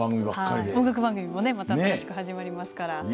音楽番組もまた新しく始まりますから。